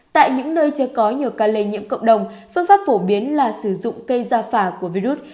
tại những nơi chưa có nhiều ca lây nhiễm cộng đồng phương pháp phổ biến là sử dụng cây ra phà của virus